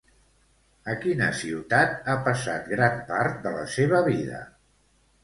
A quina ciutat ha passat gran part de la seva vida?